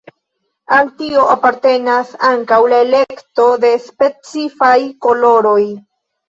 Al tio apartenas ankaŭ la elekto de specifaj koloroj.